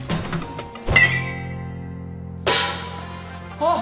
あっ。